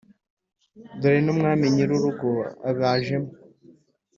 dore n' umwami nyir' urugo abajemo.